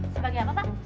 sebagai apa pak